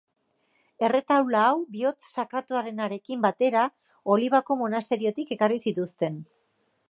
Erretaula hau, Bihotz Sakratuarenarekin batera Olibako monasteriotik ekarri zituzten.